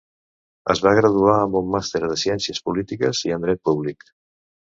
Es va graduar amb un màster en Ciències polítiques i en Dret públic.